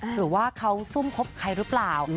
หรือว่าเขาซุ่มคบใครหรือเปล่า